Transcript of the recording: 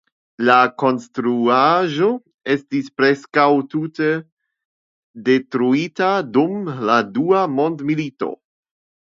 La konstruaĵo estis preskaŭ tute detruita dum la Dua Mondmilito.